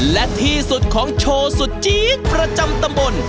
และที่สุดของโชว์สุดจี๊ดประจำตำบล